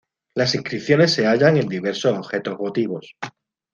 Las inscripciones se hallan en diversos objetos votivos.